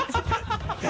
ハハハ